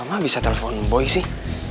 kok ma bisa telepon boy sih